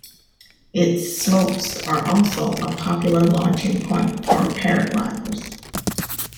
Its slopes are also a popular launching point for paragliders.